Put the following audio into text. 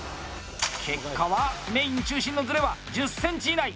結果は、メイン中心のズレは１０ｃｍ以内！